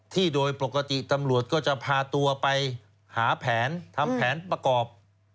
โดยปกติตำรวจก็จะพาตัวไปหาแผนทำแผนประกอบ